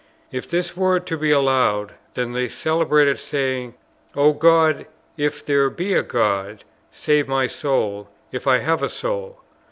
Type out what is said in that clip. If this were to be allowed, then the celebrated saying, "O God, if there be a God, save my soul, if I have a soul!"